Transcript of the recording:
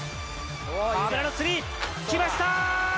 河村のスリー、きました！